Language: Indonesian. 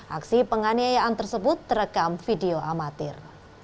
aksi penganiayaan tersebut terekam video amatir